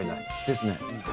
ですね。